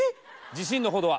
自信のほどは？